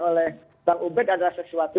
oleh bang ubed adalah sesuatu